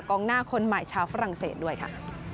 งหน้าคนใหม่ชาวฝรั่งเศสด้วยค่ะ